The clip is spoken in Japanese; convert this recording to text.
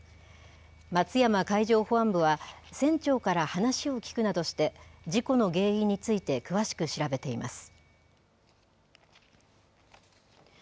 松山海上保安部は、船長から話を聞くなどして、事故の原因について詳しく調べています。